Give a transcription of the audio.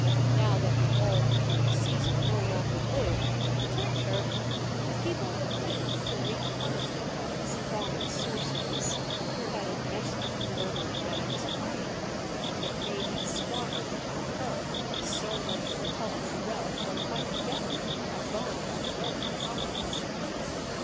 Now that the all feared Caesar no longer lived to protect her, the people were keen to wreak punishment on this foreign sorceress who had enmeshed the mur dered man's brain, and had made him squander upon her so much of the public wealth that might better have gone into Roman pockets.